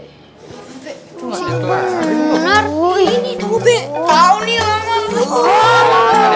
itu bener ini bang ube tau nih kamu